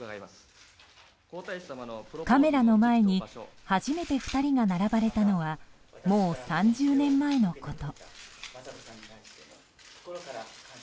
カメラの前に初めて２人が並ばれたのはもう３０年前のこと。